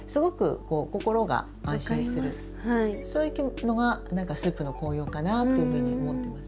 そういうのが何かスープの効用かなっていうふうに思ってます。